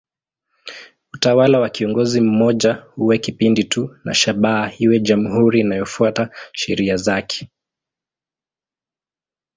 Utawala wa kiongozi mmoja uwe kipindi tu na shabaha iwe jamhuri inayofuata sheria zake.